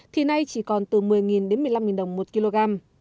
thì nay chỉ còn từ một mươi đến một mươi năm đồng một kg